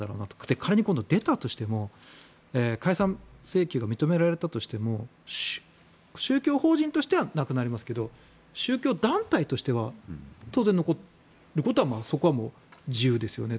仮に今度出たとしても解散請求が認められたとしても宗教法人としてはなくなりますが宗教団体としては当然、残ることはそこはもう自由ですよねと。